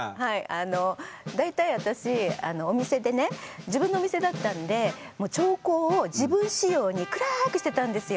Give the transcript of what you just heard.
あの大体私お店でね自分のお店だったんでもう調光を自分仕様に暗くしてたんですよ。